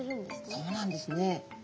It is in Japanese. そうなんですね。